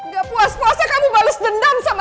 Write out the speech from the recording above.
gak puas puasa kamu bales dendam